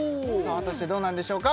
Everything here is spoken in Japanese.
果たしてどうなんでしょうか？